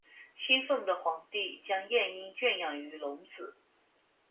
兴奋的皇帝将夜莺圈养于笼子。